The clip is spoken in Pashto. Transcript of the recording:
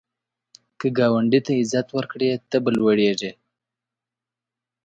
که ګاونډي ته عزت ورکړې، ته به لوړیږې